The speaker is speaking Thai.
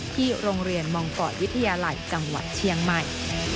ที่โรงเรียนมังกรวิทยาลัยจังหวัดเชียงใหม่